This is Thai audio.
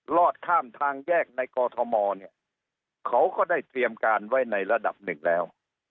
รอดข้ามทางแยกในกอทมเนี่ยเขาก็ได้เตรียมการไว้ในระดับหนึ่งแล้ว